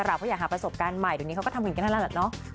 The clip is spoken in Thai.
เพราะอยากหาประสบการณ์ใหม่ตอนนี้เขาก็ทำเหมือนกันแล้วแหละเนอะ